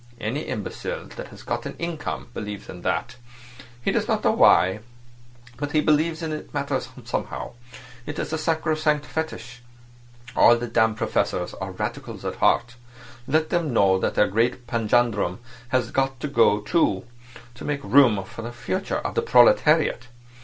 Any imbecile that has got an income believes in that. He does not know why, but he believes it matters somehow. It is the sacrosanct fetish. All the damned professors are radicals at heart. Let them know that their great panjandrum has got to go too, to make room for the Future of the Proletariat.